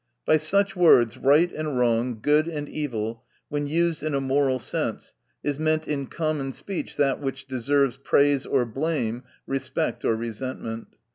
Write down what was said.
By such words, right and wrong, good and evil, when used in a moral sense, is meant in common speech that which deserves praise or blame, respect or resentment.